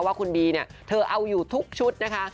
ว่าคุณบีเนี่ยเธอเอาอยู่ทุกชุดนะคะ